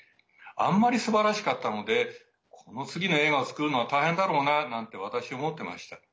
あんまりすばらしかったのでこの次の映画を作るのは大変だろうななんて私、思っていました。